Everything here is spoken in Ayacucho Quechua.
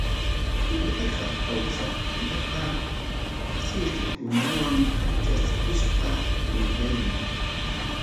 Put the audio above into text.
Yuyayqa kawsaqkunapa siqikunawan chaskisqa willaymi.